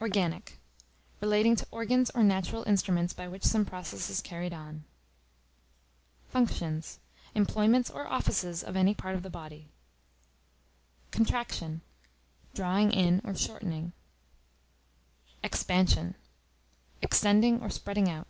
Organic, relating to organs or natural instruments by which some process is carried on. Functions, employments or offices of any part of the body. Contraction, drawing in or shortening. Expansion, extending or spreading out.